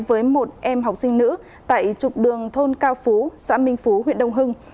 với một em học sinh nữ tại trục đường thôn cao phú xã minh phú huyện đông hưng